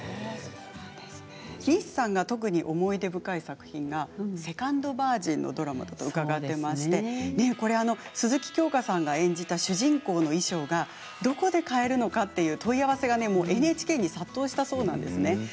西さんが特に思い出深い作品が「セカンドバージン」のドラマだと伺ってまして鈴木京香さんが演じた主人公の衣装がどこで買えるのかっていう問い合わせがＮＨＫに殺到したそうなんですね。